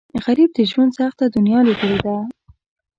غریب د ژوند سخته دنیا لیدلې ده